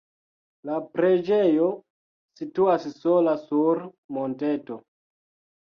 La preĝejo situas sola sur monteto.